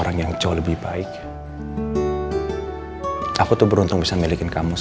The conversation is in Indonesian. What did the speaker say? dan aku juga bahagia punya kamu